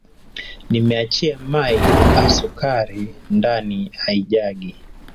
Nimechia mai a sukari ndani a ijagi